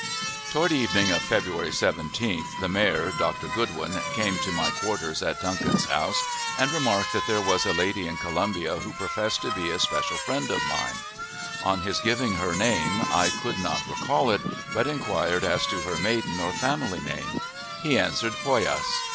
Toward evening of February 17th, the mayor, Dr. Goodwin, came to my quarters at Duncan's house, and remarked that there was a lady in Columbia who professed to be a special friend of mine. On his giving her name, I could not recall it, but inquired as to her maiden or family name. He answered Poyas.